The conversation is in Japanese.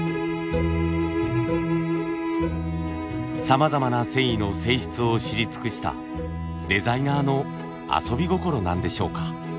さまざまな繊維の性質を知り尽くしたデザイナーの遊び心なんでしょうか。